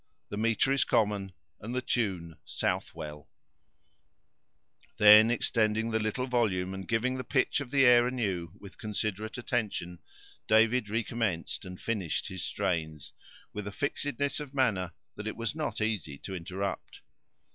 The meter is common, and the tune 'Southwell'." Then, extending the little volume, and giving the pitch of the air anew with considerate attention, David recommenced and finished his strains, with a fixedness of manner that it was not easy to interrupt.